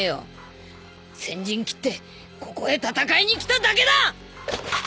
先陣切ってここへ戦いに来ただけだッ！